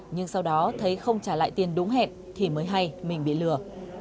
nhưng sau đó thấy không trả lại tiền đúng hẹn thì mới hay mình bị lừa